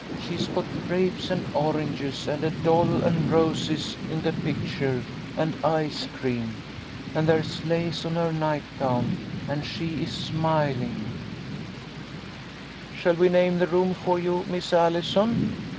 She's got grapes and oranges, and a doll, and roses in the picture, and ice cream ! And there's lace on her nightgown, and she is smiling" " Shall we name the room for you, Miss Allison